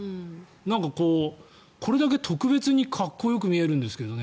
なんかこれだけ特別にかっこよく見えるんですけどね。